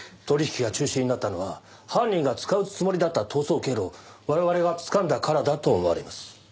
取引が中止になったのは犯人が使うつもりだった逃走経路を我々がつかんだからだと思われます。